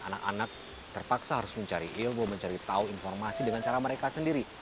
anak anak terpaksa harus mencari ilmu mencari tahu informasi dengan cara mereka sendiri